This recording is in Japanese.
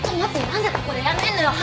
何でここでやめんのよ？